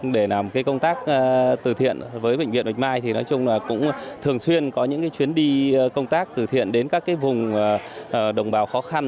để làm công tác từ thiện với bệnh viện bạch mai thì nói chung là cũng thường xuyên có những chuyến đi công tác từ thiện đến các vùng đồng bào khó khăn